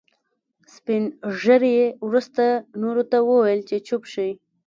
سپين ږيري وروسته نورو ته وويل چې چوپ شئ.